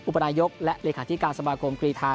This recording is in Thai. อุปนายกและเลขาธิกาสมากรมกรีธา